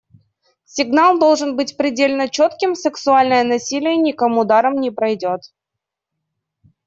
Сигнал должен быть предельно четким: сексуальное насилие никому даром не пройдет.